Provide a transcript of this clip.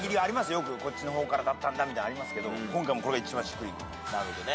こっちの方からだったんだみたいなありますけど今回これが一番しっくり。